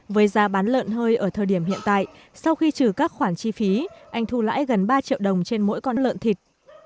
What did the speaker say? với giá bán lợn hơi ở thời điểm hiện tại sau khi trừ các khoản chi phí anh thu lãi gần ba triệu đồng trên mỗi con lợn thịt